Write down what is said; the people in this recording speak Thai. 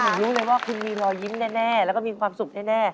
ผมรู้เลยว่าคุณมีรอยยิ้มแน่แล้วก็มีความสุขแน่